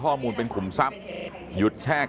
การสอบส่วนแล้วนะ